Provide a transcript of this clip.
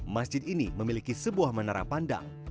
masjid ini memiliki sebuah menara pandang